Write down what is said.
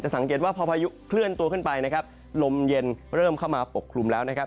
สังเกตว่าพอพายุเคลื่อนตัวขึ้นไปนะครับลมเย็นเริ่มเข้ามาปกคลุมแล้วนะครับ